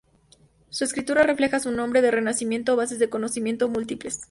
Su escritura refleja a su hombre de Renacimiento bases de conocimiento múltiples.